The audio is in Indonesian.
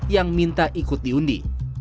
yang minta ikut diundi